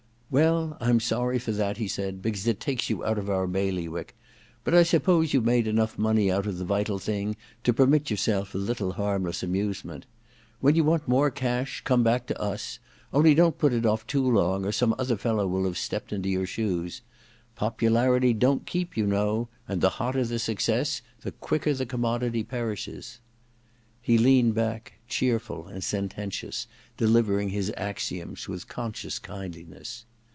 • Well, I'm sorry for that,' he said, * because it takes you out of our bailiwick. But I suppose you've made enough money out of The Vital Thing" to permit yourself a little harmless amusement. When you want more cash come back to us — only don't put it off too long, or some other fellow will have stepped into your VI THE DESCENT OF MAN 37 shoes. Popularity don*t keep, you know ; and the hotter the success the quicker the commodity perishes/ He leaned back, cheerful and sententious, delivering his axioms with conscious kindliness.